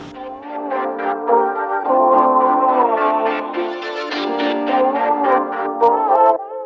sampai jumpa di video selanjutnya